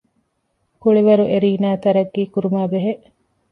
ކުޅިވަރު އެރީނާ ތަރައްޤީކުރުމާ ބެހޭ